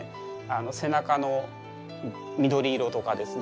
背中の緑色とかですね